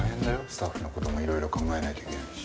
スタッフの事もいろいろ考えないといけないし。